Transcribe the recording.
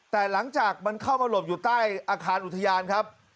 แต่หลังจากมันเข้ามาหลบอยู่ใต้อาคารอุทยานครับ